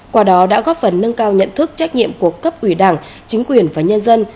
qua đó đã góp phần nâng cao nhận thức trách nhiệm của cấp ủy đảng chính quyền và nhân dân